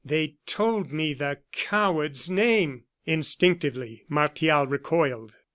They told me the coward's name!" Instinctively Martial recoiled.